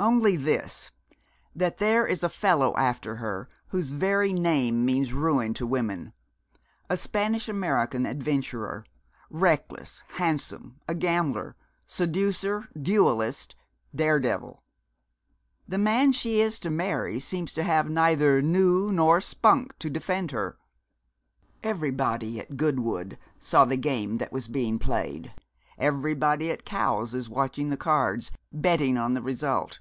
'Only this, that there is a fellow after her whose very name means ruin to women a Spanish American adventurer reckless, handsome, a gambler, seducer, duellist, dare devil. The man she is to marry seems to have neither nous nor spunk to defend her. Everybody at Goodwood saw the game that was being played, everybody at Cowes is watching the cards, betting on the result.